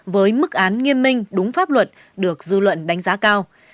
với mức án nghiêm minh đúng pháp luật được dư luận đánh giá cao